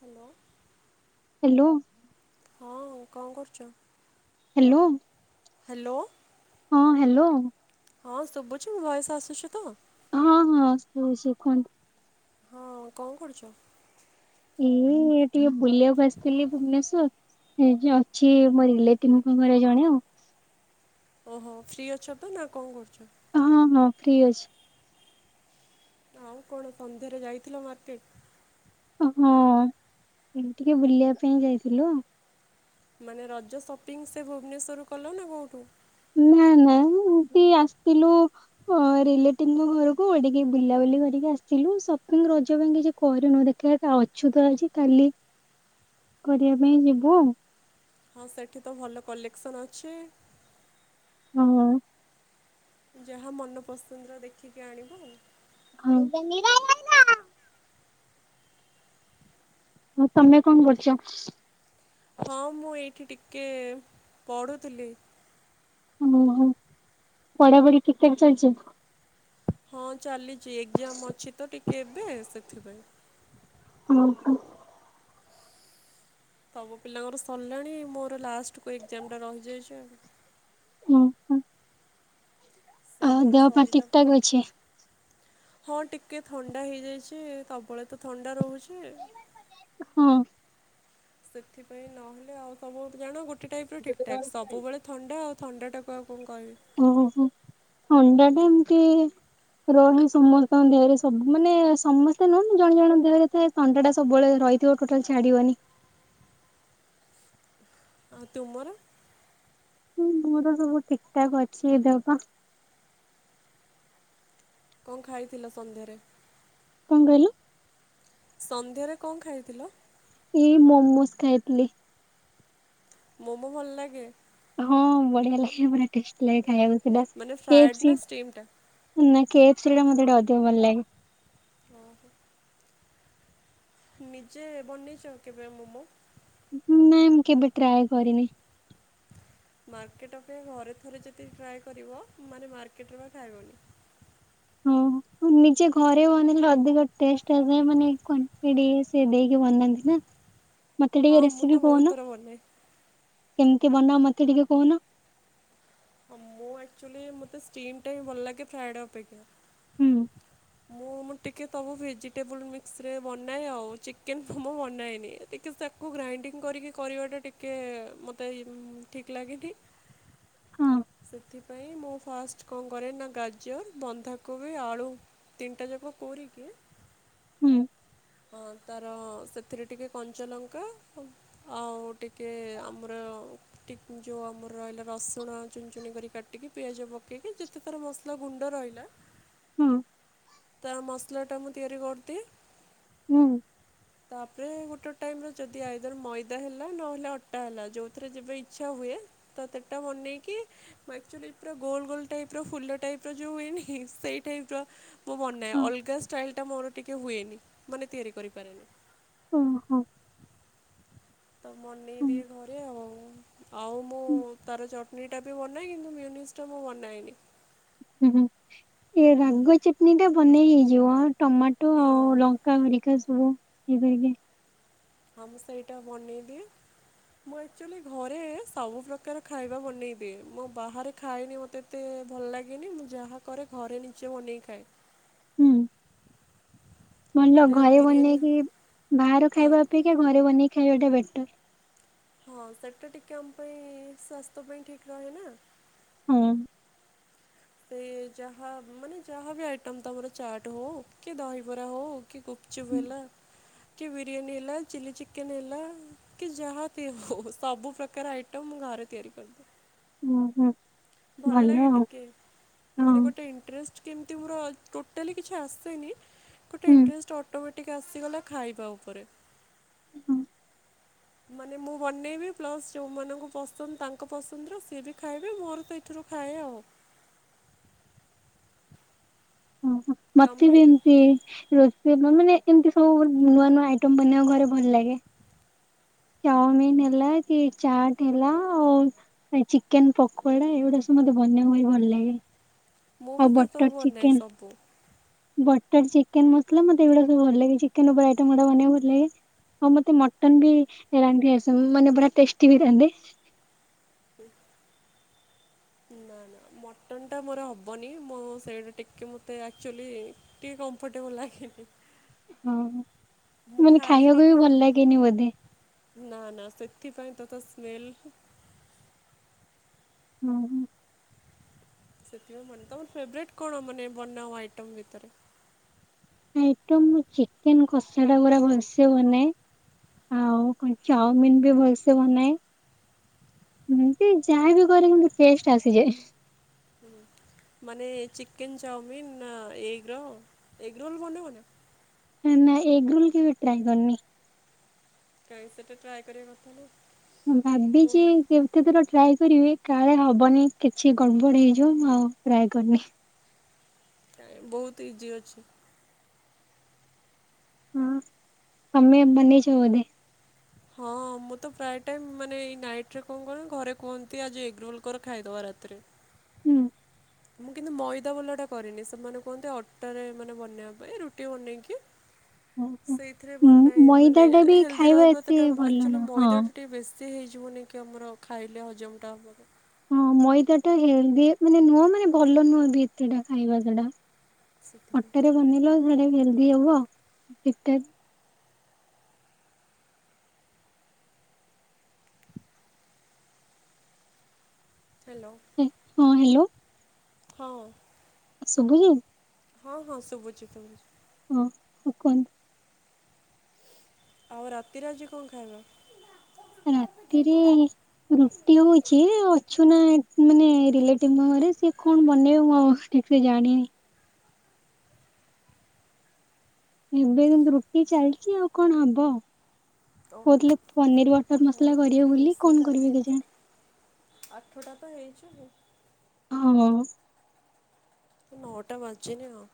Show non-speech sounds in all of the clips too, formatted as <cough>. Hello. Hello. ହଁ, କଣ କରୁଚୁ? ହାଲୋ। ହାଲୋ। ହଁ, ହାଲୋ। ହଁ ଶୁଭୁଚି, ମୋ ଭୟସ ଆସୁଛି ତ? ହଁ, ହଁ, ଶୁଭୁଚି କୁହନ୍ତୁ? ହଁ, କଣ କରୁଚୁ? ଏଇ ଟିକେ ବୁଲିବାକୁ ଆସିଥିଲି ଭୁବନେଶ୍ଵର। ସେ ଯେ ଅଛି ମୋ ରିଲେଟିନଙ୍କ ଘରେ ଜଣେ ଆଉ। ଓହୋ ଫ୍ରି ଅଛ ତ ନା କଣ କରୁଛ? ହଁ ହଁ ଫ୍ରି ଅଛି। ଆଉ କଣ ସନ୍ଧ୍ୟାରେ ଯାଇଥିଲ ମାର୍କେଟ? ହଁ ଟିକେ ବୁଲିବା ପାଇଁ ଯାଇଥିଲୁ। ମାନେ ରଜ ସପିଙ୍ଗ ସେ ଭୁବନେଶ୍ୱରରୁ କଲ ନା କେଉଁଠୁ? ନାଇଁ ନାଇଁ ଏମତି ଆସିଥିଲୁ ହଁ ରିଲେଟିଭ ଙ୍କ ଘରକୁ ଅଡିକି ବୁଲା ବୁଲି କରିକି ଆସିଲୁ ସପିଙ୍ଗ ରଜ ପାଇଁ କିଛି କରିନୁ ଦେଖିବା। ଅଛୁ ତ ଆଜି କାଲି କରିବା ପାଇଁ ଯିବୁ ଆଉ। ହଁ ସେଇଠି ତ ଭଲ କଲେକ୍ସନ୍ ଅଛି। ହଁ। ଯାହା ମନପସନ୍ଦର ଦେଖିକି ଆଣିବ ଆଉ। ହଁ। ହଁ ତମେ କଣ କରୁଛ? ହଁ ମୁଁ ଏଇଠି ଟିକେ ପଢ଼ୁଥିଲି। ଓହୋ ପଢାପଢି ଠିକଠାକ ଚାଲିଛି? ହଁ ଚାଲିଛି ଏକ୍ଜାମ ଅଛି ତ ଟିକେ ଏବେ ସେଥିପାଇଁ। ଓହୋ। ସବୁ ପିଲାଙ୍କର ସରିଲାଣି ମୋର ଲାଷ୍ଟକୁ ଏକ୍ଜାମ ଟା ରହିଯାଇଛି ଆଉ। ହୁଁ ହୁଁ। ସେ ଆଉ ଆମର ଦେହ ପାଇଁ ସରିଲା ଠିକ ଠାକ ଅଛି? ହଁ ଟିକେ ଥଣ୍ଡା ହେଇଯାଇଛି। ସବୁବେଳେ ତ ଥଣ୍ଡା ରହୁଛି। ହଁ। ସେଥିପାଇଁ ନହେଲେ ଆଉ ସବୁ ଜାଣ ଗୋଟେ ଟାଇପ୍ର ଠିକ୍ ଠାକ୍ ସବୁବେଳେ ଥଣ୍ଡା ଆଉ ଥଣ୍ଡାଟାକୁ ଆଉ କଣ କହିବି ଓହୋ ଥଣ୍ଡା ଟା ଏମିତି ରହେ ସମସ୍ତଙ୍କ ଦେହରେ ସବୁ ମାନେ ସମସ୍ତେ ନୁହେଁ ଜଣେ ଜଣଙ୍କ ଦେହରେ ଥାଏ। ଥଣ୍ତା ସବୁବେଳେ ରହିଥିବ ଟୋଟାଲ ଛାଡିବନି। ଆ ତୁମର? ହୁଁ ମୋର ସବୁ ଠିକଠାକ ଅଛି ଏ ଦେହ ପାଅ। କଣ ଖାଇଥିଲ ସନ୍ଧ୍ୟାରେ? କଣ କହିଲୁ? ସନ୍ଧ୍ୟାରେ କଣ ଖାଇଥିଲ? ଏଇ ମୋମୋସ୍ ଖାଇଥିଲି। ମୋମୋ ଭଲ ଲାଗେ? ହଁ ବଢିଆ ଲାଗେ ଭାରି ଟେଷ୍ଟି ଖାଇବାକୁ ମାନେ ଫ୍ରାଏଡ଼୍ ନା ସେଇଟା। ଷ୍ଟିମ୍ଟା? ନାଁ କେ ଅଫ୍ ସି ଟା ମତେ ଅଧିକ ଭଲଲାଗେ। ହଁ ନିଜେ ବନେଇଛ କେବେ ମୋମୋ? ନାଇଁ ମୁଁ କେବେ ଟ୍ରାଏ କରିନି। ମାର୍କେଟ ଅପେକ୍ଷା ଘରେ ଥରେ ଯଦି ଟ୍ରାଏ କରିବ ମାନେ ମାର୍କେଟରେ ବା ଖାଇବନି। ହଁ ନିଜେ ଘରେ ବନେଇଲେ ଅଧିକ ଟେଷ୍ଟ ଆସେ ମାନେ ସେ କ୍ୟାଣ୍ଟିଡ୍ ଦେଇକି ବନାନ୍ତି ନା। ମତେ ହଁ ଟିକେ ମୁଁ ରେସିପି ତ ବହୁତ କହୁନ ଥର ବନାଏ। କେମିତି ବନାଅ ମତେ ଟିକେ କହୁନ? ହଁ ମୁଁ ଆକ୍ଚୁଲି ମତେ ଷ୍ଟିମ୍ ଟା ହିଁ ଭଲ ଲାଗେ। ଫ୍ରାଏଡ଼େ ଅପେକ୍ଷା। ହୁଁ। ମୁଁ ମୁଁ ଟିକେ ତବୁ ଭେଜିଟେବୁଲ ମିକ୍ସରେ ବନାଏ ଆଉ। ଚିକେନ ମୋମୋ ବନାଏନି ଏତେ। ଟିକ ତାକୁ ଗ୍ରାଇଣ୍ଡିଙ୍ଗ କରିକି କରିବାଟା ଟିକେ ମୋତେ ଠିକ୍ ଲାଗେନି। ହୁଁ। ସେଥିପାଇଁ ମୁଁ ଫାଷ୍ଟ କଣ କରେ ନା ଗାଜର, ବନ୍ଧାକୋବି, ଆଳୁ ତିନିଟା ଯାକ କରୋକି ହୁଁ। ହଁ ତାର ସେଥିରେ ଟିକେ କଞ୍ଚଲଙ୍କା ଆଉ ଟିକେ ଆମର ଟିକ୍ ଯୋଉ ଆମର ରହିଲା ରସୁଣ ଚୁନ୍ ଚୁନି କରି କାଟିକି ପିଆଜ ପକେଇକି ଯେତେଥର ମସଲା ସଲା ଗୁଣ୍ଡ ରହିଲା ହଁ ତା ମସଲା ଟା ମୁଁ ତିଆରି କରିଦିଏ। ହୁଁ। ତାପରେ ଗୋଟେ ଟାଇମ ର ଯଦି ଆଇଦର ମଇଦା ହେଲା ନହେଲେ ଅଟା ହେଲା ଯୋଉଥିରେ ଯେବେ ଇଚ୍ଛା ହୁଏ ତ ସେଟା ବନେଇକି ମୁଁ ଆକ୍ଚୁଲି ପୁରା ଗୋଲ ଗୋଲ ଟାଇପ୍ ର ଫୁଲ ଟାଇପ୍ ର ଯୋଉଁ ହୁଏନି ସେଇ ଟାଇପ୍ ର ମୁଁ ବନାଏ ହଁ ଅଲଗା ଷ୍ଟାଇଲ୍ ଟା ମୋର ଟିକିେ ହୁଏନି ମାନେ ତିଆରି କରିପାରେନି। ଓ ହୋ। ତ ହୁଁ ବନେଇଦିଏ ଘରେ ଆଉ। ଆଉ ମୁଁ ହୁଁ ତାର ଚଟନୀ ଟା ବି ବନାଏ କିନ୍ତୁ ମିଓନିଜ୍ ଟା ମୁଁ ବନାଏନି। ହୁଁ ହୁଁ ଏ ରାଗ ଚଟନୀ ଟା ବନେଇ ହେଇଯିବ। ଟମାଟ ହଁ। କହାଣ କା ସବୁ ଇଏ କରିକି ହଁ ମୁଁ ସେଇଟା ବନେଇଦିଏ। ମୁଁ ଏକ୍ଚୁଲି ଘରେ ସବୁ ପ୍ରକାର ଖାଇବା ବନେଇଦିଏ। ମୁଁ ବାହାରେ ଖାଏନି ମୋତେ ଏତେ ଭଲ ଲାଗେନି, ମୁଁ ଯାହା କରେ ଘରେ ନିଜେ ବନେଇ ଖାଏ। ହୁଁ ଭଲ ମୋତେ ଘରେ ବିରିୟାନୀ ବନେଇକି ବାହାର ହଁ ଖାଇବା ଅପେକ୍ଷା ଘରେ ବନେଇକି ଖାଇବାଟା ବେଟର। ହଁ ସେଟା ଟିକେ ଆମ ପାଇଁ ସ୍ଵାସ୍ଥ୍ୟ ପାଇଁ ଠିକ ରହେ ନା? ହଁ। ସେ ଯାହା ମାନେ ଯାହା ବି ଆଇଟମ ତା ପରେ ଚାଟ ହଉ କି ଦହିବରା ହଉ କି ଗୁପଚୁପ୍ ହେଲା କି ବିରିୟାନୀ ହେଲା ଚିଲ୍ଲି ଚିକେନ ହେଲା କି ଯାହା ବି ହୋଊ ସବୁ ପ୍ରକାର ଆଇଟମ୍ ମୁଁ ଘରେ ତିଆରି କରିଦିଏ। ଉଁ ହୁଁ। ଭଲ ଲାଗେ ଟିକେ ହଁ ମାନେ ଗୋଟେ ଇଣ୍ଟରେଷ୍ଟ କେମିତି ପୁରା ଟୋଟାଲି କିଛି ଆସେନି। ଗୋଟେ ଇଣ୍ଟରେଷ୍ଟ ଅଟୋମେଟିକ ଟିକ ଆସିଗଲା ଖାଇବା ଉପରେ। ହୁଁ। ମାନେ ମୁଁ ବନେଇବି ପ୍ଲସ ଯୋଉମାନଙ୍କୁ ପସନ୍ଦ ତାଙ୍କ ପସନ୍ଦର ସିଏ ବି ଖାଇବେ ମୋର ତ ଏଥିରୁ ଖାଏ ଆଉ। ଉଁ ହୁଁ ମତେ ତମେ ବି ଏମ୍ ଏମତି ରୋସେଇ ମାନେ ଏମତି ସବୁ ନୂଆ ନୂଆ ଆଇଟମ ବନେଇବାକୁ ଘରେ ଭଲ ଲାଗେ। ଚାଓମିିନ୍ ହେଲା କି ଚାଟ ହେଲା ଆଉ ଏ ଚିକେନ ପକୋଡା ଏଗୁଡା ସବୁ ମତେ ବନେଇବାକୁ ଭାରି ଭଲ ଲାଗେ। ମୁଁ ଆଉ ବି ସେ ବଟର ସବୁ ବାନାଏ ଚିକେନ ସବୁ। ବଟର ଚିକେନ ମସଲା ମତେ ଏଗୁଡା ସବୁ ଭଲ ଲାଗେ ଚିକେନ ଉପରେ ଆଇଟମ୍ ଗୁଡା ବନେଇବାକୁ ଭଲ ଲାଗେ। ଆଉ ମତେ ମଟନ୍ ବି ରାନ୍ଧି ଆସ ମାନେ ପୁରା ଟେଷ୍ଟି ବି ରାନ୍ଧେ। ହୁ। ନା ନା ମଟନ୍ ଟା ମୋର ହବନି ମୋ ସେଇଟା ଟିକେ ମୋତେ ଆକ୍ଚୁଲି ଟିକେ କମ୍ଫର୍ଟେବଲ ଲାଗେନି। ହୁଁ ମୁଁ ହୁଁ ମାନେ ଖାଇନି ଖାଇବାକୁ ବି ଭଲ ଲାଗେନି ବୋଧେ। ନା ନା ସେଥିପାଇଁ ତ ତା ସ୍ମେଲ ହୁଁ ହୁଁ। ସେଥିପାଇଁ ମାନେ ତମର ଫେବ୍ରାଇଟ୍ କଣ ମାନେ ବନାଓ ଆଇଟମ୍ ଭିତରେ। ଆଇଟମ୍ ଚିକେନ କଷାଟା ପୁରା ଭଲସେ ବନାଏ। ଆଉ କଣ ଚାଉମିିନ ବି ଭଲସେ ବନାଏ। ଏମିତି ଯାହା ବି କରେ କିନ୍ତୁ ଟେଷ୍ଟ ଆସିଯାଏ। ହୁଁ ମାନେ ଚିକେନ୍ ଚାଉମିନ୍ ନା ଏଗ୍ ର ଏଗ୍ ରୋଲ୍ ବନେ ବନା। ନା ଏଗ୍ ରୁଲ୍ କେବେ ଟ୍ରାଏ କରିନି। କାହିଁ ସେଟା ଟ୍ରାଏ କରିବା କଥା ନା। ହୁଁ ଭାବିଚି। ବହୁତ କେତେ ଦୂର ଟ୍ରାଏ କରିବି କାଳେ ହବନି କିଛି ଗଡ଼ବଡ଼ ହେଇଯିବ ମୁଁ ଆଉ ଟ୍ରାଏ କରିନି। ଟାଇମ୍ ବହୁତୁ ଇଜି ଅଛି। ହୁଁ ଆମେ ବନେଇଛୁ ବୋଧେ। ହଁ ମୁଁ ତ ପ୍ରାୟ ଟାଇମ୍ ମାନେ ଏଇ ନାଇଟ ରେ କଣ କନ ଘରେ କୁହନ୍ତି ଆଜି ଏଗ ରୋଲ କର ଖାଇଦବା ରାତିରେ। ହୁଁ ମୁଁ କିନ୍ତୁ ମଇଦା ଭଲାଟା କରିନି ସେମାନେ କୁହନ୍ତି ଅଟାରେ ମାନେ ବନେଇବା ପାଇଁ ରୁଟି ବନେଇକି <inaudible> ଓହୋ। ସେଇଥିରେ ବନାଏ ମଇଦା ମାନେ ଟା ବି ହେଲ୍ଦି ଖାଇବା ରହିବ ଏତେ ତାଟା ଭଲ ଆକ୍ଚୁଆଲି ନୁହଁ ହଁ। ମଇଦାଟା ଟିକେ ବେଶୀ ସେ ହେଇଯିବନି କି ଆମର ଖାଇଲେ ହଜମ ଟା ହବ ହଁ ମଇଦ ଟା ହେଲଦି ମାନେ ନୁହଁ ମାନେ ଭଲ ନୁହଁ ବି ଏତେଟା ଖାଇବା ସେଟା। ସେଥିପାଇଁ ଅଟାରେ ବନେଇିଲ ସେଡା ହେଲଦି ହବ ଟିକେ ହ୍ୟାଲୋ। ହଁ ହ୍ୟାଲୋ। ହଁ। ସୁବୁଚି। ହଁ ହଁ ଶୁବୁଛି ସବୁଚି। ହଁ ଇକୁଲ୍ ଆଉ ରାତିରେ ଆଜି କଣ ଖାଇବ। ରାତିରେ ରୁଟି ହଉଛି ଅଛୁ ନା ମାନେ ରିଲେଟିଭ ଘରେ ସିଏ କଣ ବନେଇବ ମ ଟିକେ ଜାଣିନି। ଏବେ କିନ୍ତୁ ରୁଟି ଚାଲିଛି ଆଉ କଣ ହବ। କହୁଥିଲେ ଓହୋ ପନିର୍ ବଟର ମସଲା ହଁ କରିବେ ଟିକେ ବୋଲି କଣ କରିବେ କେ ଜାଣି। ଆଠ ଟା ତ ହେଇଛି। ହଁ। ନଅଟା ବାଜି ନି ଆ।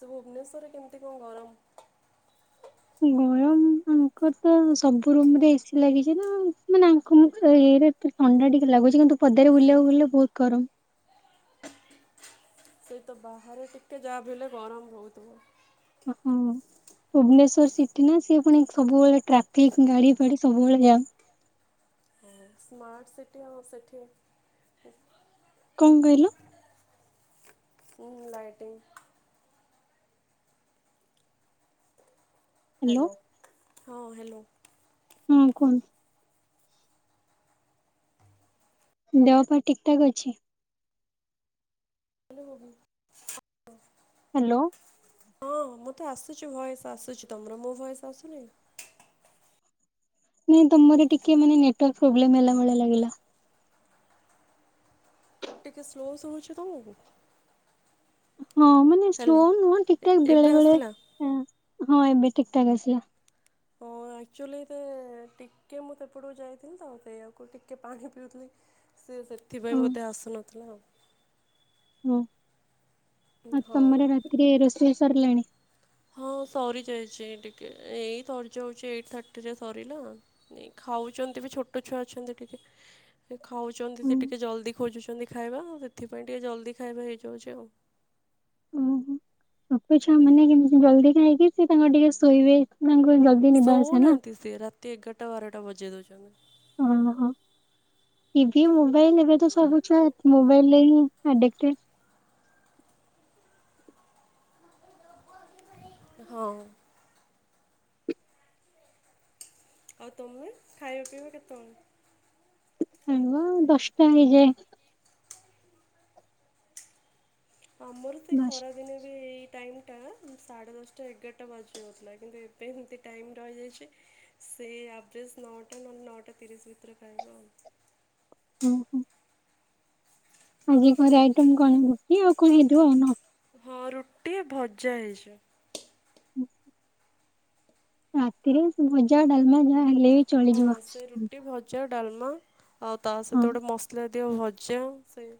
ସେ ଭୁବନେଶ୍ୱରେ କେମିତି କଣ ଗରମ। ଗରମ ଆଙ୍କର ତ ସବୁ ରୁମ୍‌ରେ ଏସି ଲାଗିଛି ନା ମାନେ ଆଙ୍କ ମୁହଁରେ ଇଏରେ ତ ଥଣ୍ଡା ଟିକେ ଲାଗୁଛି କିନ୍ତୁ ପଦାରେ ବୁଲିବାକୁ ବୁଲଲେ ବହୁତ୍ ଗରମ। ସେଇ ତ ବାହାରେ ଟିକେ ଯାହାବି ହେଲେ ଗରମ ହଉଥିବ। ଉଁ ହୁଁ। ଭୁବନେଶ୍ଵର ସିଟି ନା ସିଏ ପୁଣି ସବୁବେଳେ ଟ୍ରାଫିକ୍ ଗାଡି ଫାଡି ସବୁବେଳେ ଯାମ୍। ହଉ ସ୍ମାର୍ଟ ସିଟି ଆଉ ସେଠି କଣ କହିଲ? ହଁ ଲାଇଟିଂ। ହ୍ୟାଲୋ ହଁ ହ୍ୟାଲୋ। ହୁଁ କୁହନ୍ତୁ? ଦେହ ପା ଠିକ୍ ଠା ଅଛି? ହ୍ୟାଲୋ ହବି ହ। ହ୍ୟାଲୋ। ହଁ ମତେ ଆସୁଛି ଭଏସ ଆସୁଛି ତମର ମୋ ଭଏସ ଆସୁନି? ନାଇଁ ତମର ଟିକେ ମାନେ ନେଟାର୍କ ପ୍ରୋବ୍ଲେମ ହେଲା ଭଳିଆ ଲାଗିଲା। ଟିକେ ସ୍ଲୋ ଶୁବୁଛି ତମକୁ? ହଁ ମାନେ ସ୍ଲୋ ହ୍ୟାଲୋ ନୁହଁ ଠିକି ଠାକ ବେଳେ ଏବେ ବେଳେ ଆସିଲା? ହଁ ଏବେ ଠିକି ଠାକ ଆସିଲା। ହ। ଅଚ୍ୟୁଲି ତେ ଟିକେ ମୁଁ ସେପଟକୁ ଯାଇଥିଲି ତ ସେଇଆକୁ ଟିକେ ପାଣି ପିଉଥିଲି। ସେ ଓ ସେଥିପାଇଁ ମୋତେ ଆସୁନଥିଲା ଆଉ। ହୁଁ ଆଉ ହଉ। ତମର ରାତିରେ ରୋଷେଇ ସାରିଲାଣି? ହଁ ସରିଯାଇଛି ଟିକେ ଏଇ ସରିଯାଉଛି ଏଇଟି ଥାର୍ଟି ରେ ସରିଲା। ଏ ଖାଉଛନ୍ତି ବି ଛୋଟ ଛୁଆ ଅଛନ୍ତି ଟିକେ। ଏ ଖାଉଛନ୍ତି ହୁଁ ସେ ଟିକେ ଜଲ୍ଦି ଖୋଜୁଛନ୍ତି ଖାଇବା ହେଥିପାଇଁ ଟିକେ ଜଲ୍ଦି ଖାଇବା ହେଇଯାଉଛି ଆଉ। ମାପ ଚୂପୁ ହୁଁ। କେନ୍ତେ ଜଲଦି ଖାଇକି ସେ ତାଙ୍କ ଟିକେ ଶୋଇବେ ତାଙ୍କୁ ଜଲି ସୋଉନାହାନ୍ତି ସେ ରାତି ଏଗାରଟା ବାରଟା ବଜେଇ ଦଉଛନ୍ତି। ହଁ ହଁ। ଟିଭି ମୋବାଇଲି ଏବେ ତ ସବୁ ଛୁଆ ମୋବାଇଲିରେ ହିଁ ଆଡେଟେ। ହଁ। ଆଉ ତମେ ଖାଇବା ପିଇବା କେତେ ବେଳକୁ? ଖାଉ ଖାଉ ଦଶଟା ହେଇଯାଏ। ଆମର ତ ଦଶ ଖରାଦିନ ବି ଏଇ ଟାଇମିଟା ସାଢ଼େ ଦଶଟା ଏଗାରଟା ବାଜିଯାଉଥିଲା କିନ୍ତୁ ଏବେ ଏମିତି ଟାଇମ୍ ରହିଯାଇଛି ସେଇ ଆଭ୍ରଜେ ନଅଟା ନହେଲେ ନଅଟା ତିରିଶି ଭିତରେ ଖାଇବା ଆଉ। ହୁଁ ହୁଁ। ଆଜି ଘରେ ଆଇଟମ କଣ ରୁଟି ଆଉ କଣ ହେଇଥିବ ଆଉ? ହଁ ରୁଟି ଭଜା ହେଇଚି। ରାତିରେ ଭଜା ଡଲମା ଯାହା ହେଲେ ଚଳିଯିବ। ହଁ ସେ ରୁଟି ଭ ଭଜା ଡାଲମା ଆଉ ତା ହଁ ସହିତ ଗୋଟେ ମସଲା ଦିଅ ଭଜା ସେଇ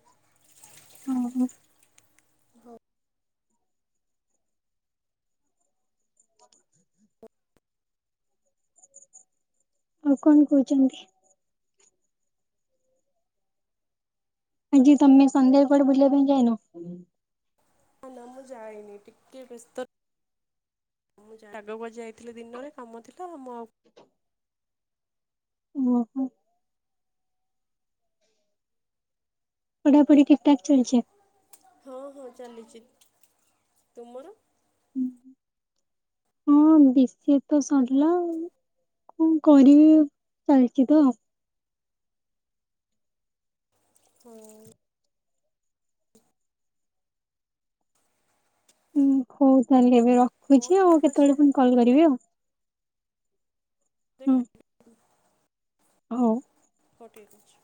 ହୁଁ ହୁଁ। ଆଉ କଣ କହୁଚନ୍ତି? ଆଜି ତମେ ସନ୍ଧ୍ୟାରେ କୁଆଡେ ବୁଲାଵୁଲି ଯାଇନ? ନାଁ ନାଁ ମୁଁ ଜାଏନି ଟିକେ ବ୍ୟସ୍ତ ମୁଁଯାଏନି ଶାଗ ଭଜା ହେଇଥିଲା ଦିନରେ କାମ ଥିଲା ଆମ ଓହୋ। ପଢାପଢି ଠିକ ଠାକ ଚାଲିଚି। ହଁ ହଁ ଚାଲିଚି ତୁମର। <unintelligible> ହଁ ବିଷିକିଟି ତ ସରିଲା ଆଉ। ହଁ କଣ କରିବି ପାଇଛି ତ। ହଁ। ହୁଁ ହଉ ତାହେଲେ ଏବେ ହଉ ରଖୁଛି ଆଉ ଠିକ୍ କେତେବେଳେ ଅଛି ପୁଣି କଲ କରିବି ଆଉ। ସେ ହୁଁ ଖାଇ। <inaudible> ହଉ। ହଉ ଠିକ୍ ଅଛି।